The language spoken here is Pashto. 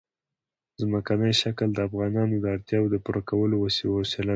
ځمکنی شکل د افغانانو د اړتیاوو د پوره کولو یوه وسیله ده.